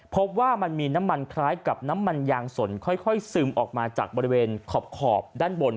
พบว่ามันมีน้ำมันคล้ายกับน้ำมันยางสนค่อยซึมออกมาจากบริเวณขอบด้านบน